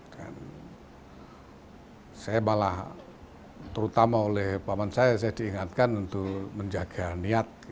dan saya malah terutama oleh pak mancaya saya diingatkan untuk menjaga kesehatan